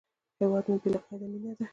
هیواد مې بې له قیده مینه ده